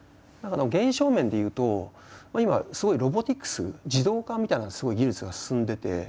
現象面でいうと今すごい「ロボティクス」「自動化」みたいなすごい技術が進んでて。